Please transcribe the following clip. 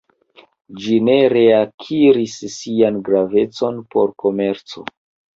Ĝi ne reakiris sian gravecon por komerco.